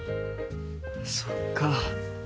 そっか。